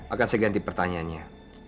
akan saya ganti pertanyaannya